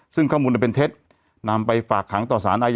ซึ่งข้อมูลเป็นเท็จนำไปฝากขังต่อสารอาญา